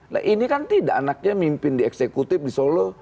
nah ini kan tidak anaknya mimpin di eksekutif di solo